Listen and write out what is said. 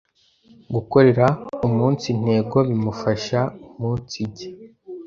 Gukorera umunsi ntego bimufasha umunsijya